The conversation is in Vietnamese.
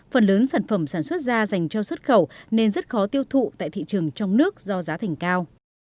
phần lớn sản phẩm sản xuất da dành cho xuất khẩu nên rất khó tiêu thụ tại thị trường trong nước do giá thành cao